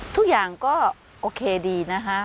ทุกอย่างก็โอเคดีนะคะ